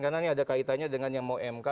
karena ini ada kaitannya dengan yang mau mk